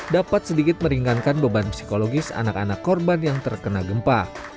dapat sedikit meringankan beban psikologis anak anak korban yang terkena gempa